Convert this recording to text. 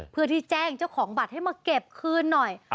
เพื่อที่แจ้งเจ้าของบัตรให้มาเก็บคืนหน่อย